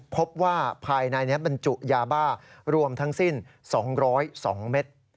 พบว่าภายในนี้บรรจุยาบ้ารวมทั้งสิ้น๒๐๒เม็ด